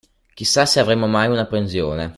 Chissà se avremo mai una pensione.